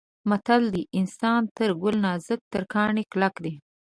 متل دی: انسان تر ګل نازک تر کاڼي کلک دی.